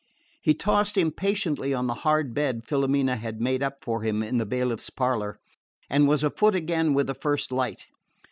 He tossed impatiently on the hard bed Filomena had made up for him in the bailiff's parlour, and was afoot again with the first light.